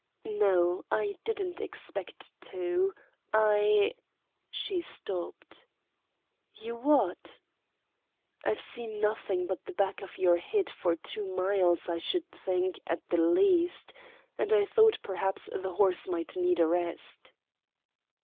"No. I didn't expect to. I " She stopped. "You what?" "I've seen nothing but the back of your head for two miles, I should think, at the least. And I thought perhaps the horse might need a rest."